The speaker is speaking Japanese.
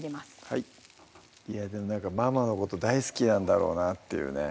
はいいやでもなんかママのこと大好きなんだろうなっていうね